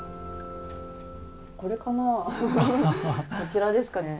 これかな、こちらですかね。